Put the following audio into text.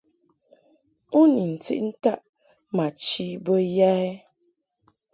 U ni ntiʼ ntaʼ ma chi bə ya ?